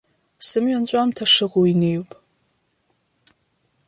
Сымҩа анҵәамҭа шыҟоу инеиуп.